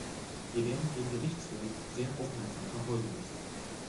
Wir werden den Gerichtshof sehr aufmerksam verfolgen müssen.